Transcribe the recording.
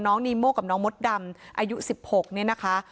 น้องนีโม่กับน้องมดดำอายุ๑๖นะคะ